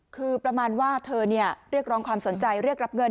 คือประมาณว่าเธอเรียกร้องความสนใจเรียกรับเงิน